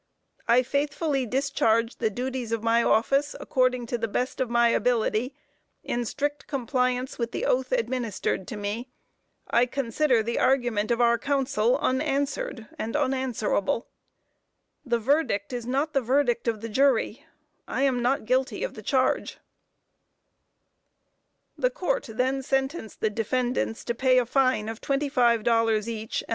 "I faithfully discharged the duties of my office, according to the best of my ability, in strict compliance with the oath administered to me. I consider the argument of our counsel unanswered and unanswerable." "The verdict is not the verdict of the jury. "I am NOT GUILTY of the charge." The Court then sentenced the defendants to pay a fine of $25 each, and the costs of the prosecution. APPENDIX. ADDRESS OF SUSAN B.